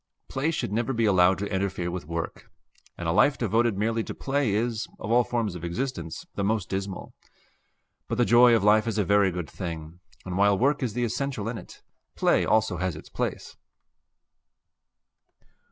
Play should never be allowed to interfere with work; and a life devoted merely to play is, of all forms of existence, the most dismal. But the joy of life is a very good thing, and while work is the essential in it, play also has its place.